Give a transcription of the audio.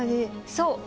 そう。